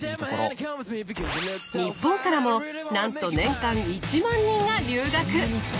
日本からもなんと年間１万人が留学！